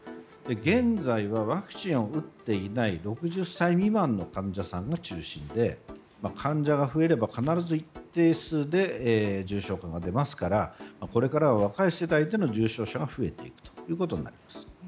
現在、ワクチンを打っていない６０歳未満の患者さんが中心で、患者が増えれば必ず一定数で重症化が出ますからこれからは若い世代での重症者が増えていくということになります。